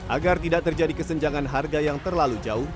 agar tidak terjadi kesenjangan harga yang terlalu jauh